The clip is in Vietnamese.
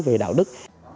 về đạo đức